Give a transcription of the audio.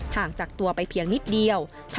ห่างจากตัวไปเพียงนิดเดียว